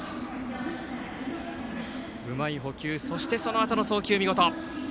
うまい捕球、そしてそのあとの送球も見事。